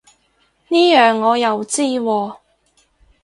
呢樣我又知喎